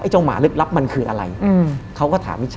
ไอ้เจ้าหมาลึกลับมันคืออะไร